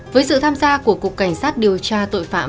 với sự tham gia của cục cảnh sát điều tra tội phạm